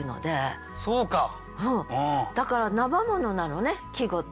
だから生ものなのね季語って。